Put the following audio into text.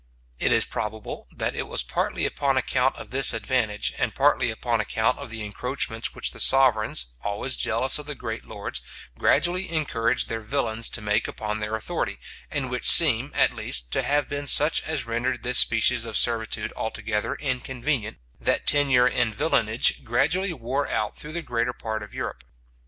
It is probable that it was partly upon account of this advantage, and partly upon account of the encroachments which the sovereigns, always jealous of the great lords, gradually encouraged their villains to make upon their authority, and which seem, at least, to have been such as rendered this species of servitude altogether inconvenient, that tenure in villanage gradually wore out through the greater part of Europe.